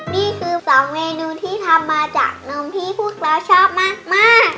นี่คือ๒เมนูที่ทำมาจากนมที่พวกเราชอบมาก